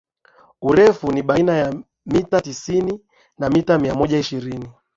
urefu ni baina ya mita tisini na mita mia moja ishirini